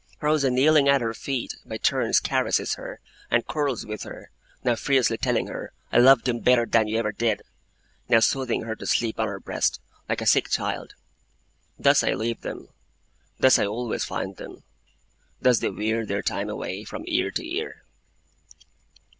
Rosa kneeling at her feet, by turns caresses her, and quarrels with her; now fiercely telling her, 'I loved him better than you ever did!' now soothing her to sleep on her breast, like a sick child. Thus I leave them; thus I always find them; thus they wear their time away, from year to year.